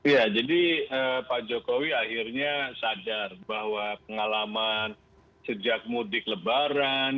ya jadi pak jokowi akhirnya sadar bahwa pengalaman sejak mudik lebaran